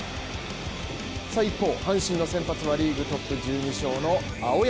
一方、阪神の先発はリーグトップ１２勝の青柳。